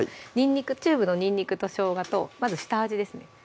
チューブのにんにくとしょうがとまず下味ですね